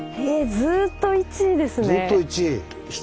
ずっと１位ですね。